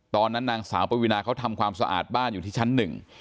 ตอนนั้นนางสาวปวินาเขาทำความสะอาดบ้านอยู่ที่ชั้นหนึ่ง